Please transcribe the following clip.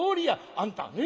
あんたね